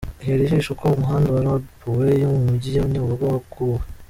Ihere ijisho uko umuhanda wa Rond point yo mu Mujyi – Nyabugogo waguwe.